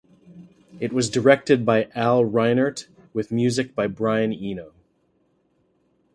It was directed by Al Reinert with music by Brian Eno.